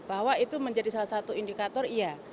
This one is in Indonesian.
bahwa itu menjadi salah satu indikator iya